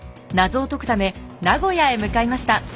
謎を解くため名古屋へ向かいました。